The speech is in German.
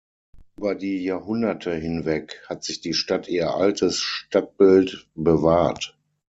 Über die Jahrhunderte hinweg hat sich die Stadt ihr altes Stadtbild bewahrt.